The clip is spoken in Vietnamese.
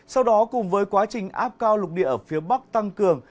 sau đó cùng với quá trình áp cao lục địa ở phía bắc tăng cường